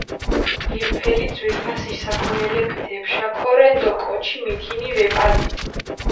ირფელი ძვირფასი საქონელეფით ეფშა ქორენ დო კოჩი მითინი ვეპალუ.